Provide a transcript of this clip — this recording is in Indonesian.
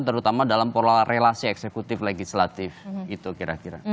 terutama dalam pola relasi eksekutif legislatif itu kira kira